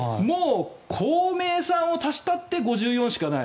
公明さんを足したって５４しかない。